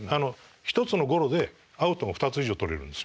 １つのゴロでアウトを２つ以上取れるんですよ。